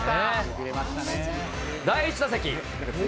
第１打席。